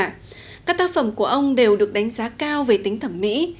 các tác phẩm của ông đều được đánh giá cao về tính thẩm mỹ